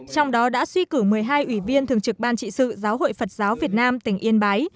trong đó đã suy cử một mươi hai ủy viên thường trực ban trị sự giáo hội phật giáo việt nam tỉnh yên bái